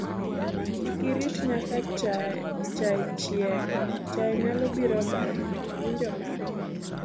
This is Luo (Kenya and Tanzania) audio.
kik irit nyaka chaye chieg, chaye nyalo biro bang'e, iwinjo baba